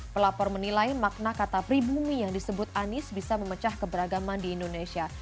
pelapor menilai makna kata pribumi yang disebut anies bisa memecah keberagaman di indonesia